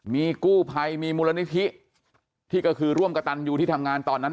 มีกู้ภัยมีมูลนิธิที่ก็คือร่วมกระตันยูที่ทำงานตอนนั้น